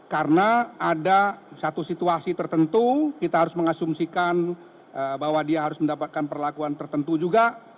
karena ada satu situasi tertentu kita harus mengasumsikan bahwa dia harus mendapatkan perlakuan tertentu juga